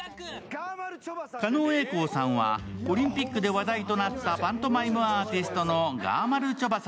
狩野英孝さんはオリンピックで話題となったパントマイムアーティストのがまるちょばさ